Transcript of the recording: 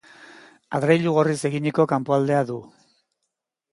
Adreilu gorriz eginiko kanpoaldea du.